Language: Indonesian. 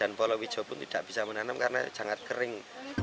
dan wolowijo pun tidak bisa menanam karena sangat kering